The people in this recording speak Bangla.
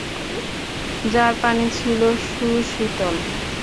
যার পানি ছিল সুশীতল।